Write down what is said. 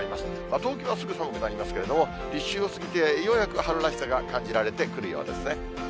東京はすぐ寒くなりますけれども、立春を過ぎて、ようやく春らしさが感じられてくるようですね。